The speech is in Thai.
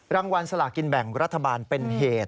รางวัลสลากินแบ่งรัฐบาลเป็นเหตุ